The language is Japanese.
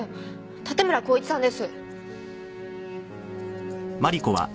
盾村孝一さんです。